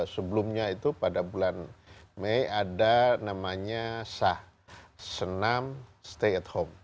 sebelumnya itu pada bulan mei ada namanya sah senam stay at home